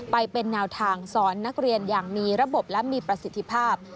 ไปเป็นแนวทางสอนนักเรียนอย่างมีระบบและมีประสิทธิภาพ